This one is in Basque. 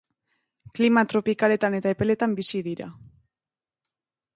Klima tropikaletan eta epeletan bizi dira.